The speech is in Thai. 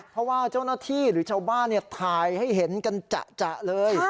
เพราะว่าเจ้าหน้าที่หรือชาวบ้านถ่ายให้เห็นกันจะเลย